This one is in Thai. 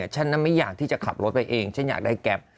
ฉันไม่อยากที่จะขับรถไปเองฉันอยากได้แก๊ป